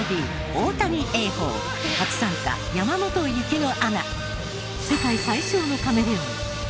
大谷映芳初参加山本雪乃アナ。